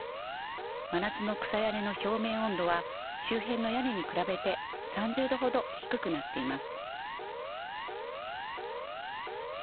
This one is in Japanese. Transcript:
真夏の草屋根の表面温度は、周辺の屋根に比べて３０度ほど低くなっています。